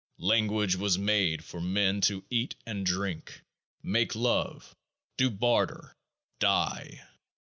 Language was made for men to eat and drink, make love, do barter, die.